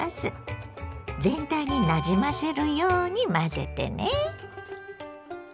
全体になじませるように混ぜてね。